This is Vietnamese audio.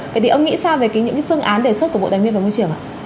vậy thì ông nghĩ sao về những cái phương án đề xuất của bộ tài nguyên và môi trường ạ